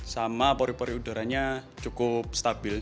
sama pori pori udaranya cukup stabil